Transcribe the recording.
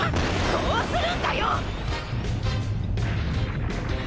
こうするんだよ！